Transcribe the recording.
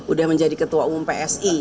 udah menjadi ketua umum psi